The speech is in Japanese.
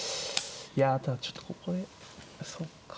いやただちょっとここでそっか。